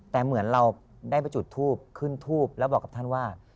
แต่เหมือนเราได้ไปจุดทูบขึ้นทูบแล้วบอกกับท่านว่า